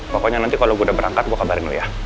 pokoknya nanti kalau gue udah berangkat gue kabarin lu ya